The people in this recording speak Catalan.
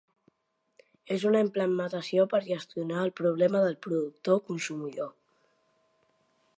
És una implementació per gestionar el problema del productor-consumidor.